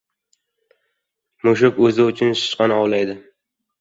• Mushuk o‘zi uchun sichqon ovlaydi.